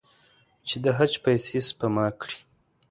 چې د حج پیسې سپما کړي.